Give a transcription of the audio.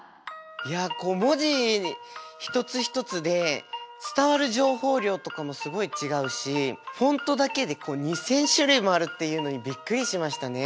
いやこう文字一つ一つで伝わる情報量とかもすごい違うしフォントだけで２，０００種類もあるっていうのにびっくりしましたね。